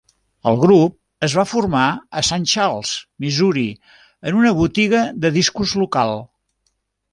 El grup es va formar a Saint Charles, Missouri, en una botiga de discos local.